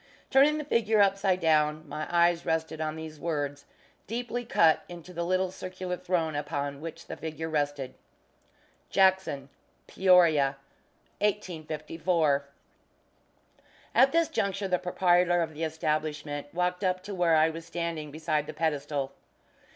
Turning the figure upside down, my eyes rested on these words, deeply cut into the little circular throne upon which the figure rested: JACKSON: PEORIA, 1854. At this juncture the proprietor of the establishment walked up to where I was standing beside the pedestal.